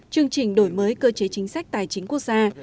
chương trình đổi mới cơ chế chính sách tài chính quốc gia